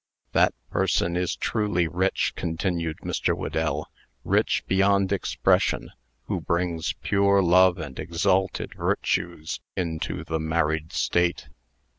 "That person is truly rich," continued Mr. Whedell, "rich beyond expression, who brings pure love and exalted virtues into the married state."